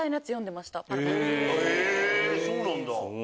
へぇそうなんだ。